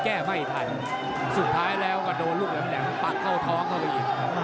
แก้ไม่ทันสุดท้ายแล้วก็โดนลูกแหลมปักเข้าท้องเข้าไปอีก